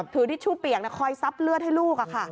ถือทิชชู่เปลี่ยงแล้วคอยซับเลือดให้ลูกค่ะ